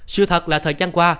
sự thật là thời gian qua